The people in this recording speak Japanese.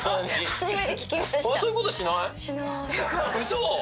嘘！？